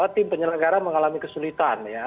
tim penyelenggara mengalami kesulitan ya